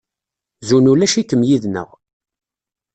Zun ulac-ikem yid-neɣ.